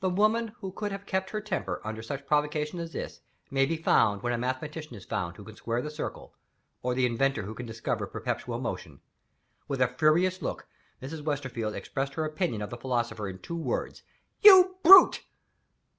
The woman who could have kept her temper, under such provocation as this, may be found when the mathematician is found who can square the circle, or the inventor who can discover perpetual motion. With a furious look, Mrs. Westerfield expressed her opinion of the philosopher in two words: "You brute!"